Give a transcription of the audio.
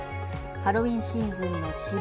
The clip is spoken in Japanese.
ハロウィーンシーズンの渋谷